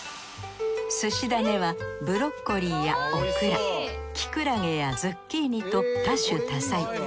寿司ダネはブロッコリーやオクラきくらげやズッキーニと多種多彩。